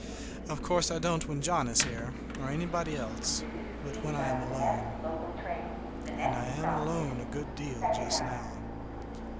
Of course I don't when John is here, or anybody else, but when I am alone. And I am alone a good deal just now.